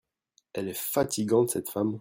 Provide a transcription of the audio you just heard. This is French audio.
Elle est fatigante cette femme.